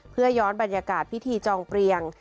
เพื่อย้อนบรรยากาศพิธีจองเปลี่ยง